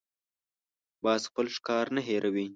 باز خپل ښکار نه هېروي